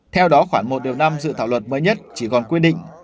theo đó khoảng một điều năm dự thảo luật mới nhất chỉ còn quy định